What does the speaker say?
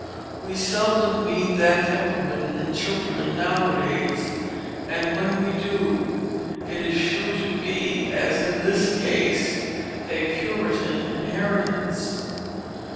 We seldom meet that temperament in children nowadays; and when we do it is sure to be, as in this case, a Puritan inheritance.